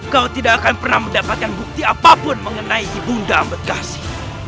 kau tidak akan pernah mendapatkan bukti apapun mengenai ibu ndang berkasi